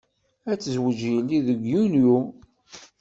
Ad tezweǧ yelli deg Yunyu.